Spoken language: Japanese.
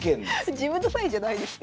自分のサインじゃないんですね。